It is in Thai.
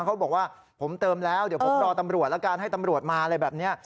เขาบอกว่าผมเติมแล้วเดี๋ยวผมรอตำรวจแล้วกันให้ตำรวจมาอะไรแบบนี้